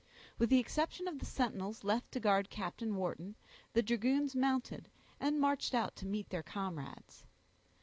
With the exception of the sentinels left to guard Captain Wharton, the dragoons mounted, and marched out to meet their comrades.